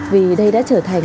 vì đây đã trở thành